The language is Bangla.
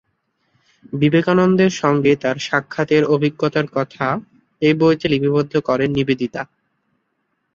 বিবেকানন্দের সঙ্গে তার সাক্ষাতের অভিজ্ঞতার কথা এই বইতে লিপিবদ্ধ করেন নিবেদিতা।